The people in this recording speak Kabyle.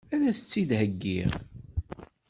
Ad as-tt-id-theggiḍ?